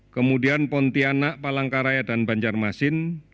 kemudian pontianak palangkaraya dan banjarmasin